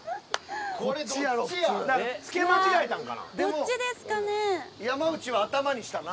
つけ間違えたんかな。